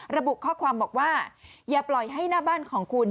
ระบุข้อความบอกว่าอย่าปล่อยให้หน้าบ้านของคุณ